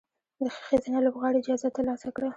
د ښې ښځینه لوبغاړې جایزه ترلاسه کړه